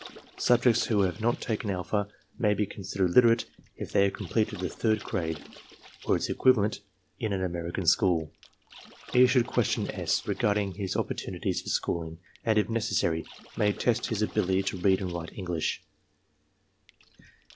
Subjects who have not taken alpha may be con sidered Uterate if they have completed the third grade (or its equivalent) in an American school. E. should question S. regarding his opportunities for schooling, and if necessary may test his ability to read and write English.